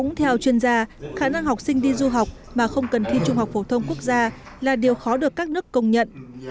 cũng theo chuyên gia khả năng học sinh đi du học mà không cần thi trung học phổ thông quốc gia là điều khó được các nước công nhận